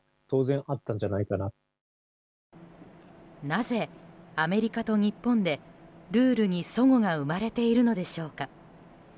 なぜ、アメリカと日本でルールに齟齬が生まれているのでしょうか。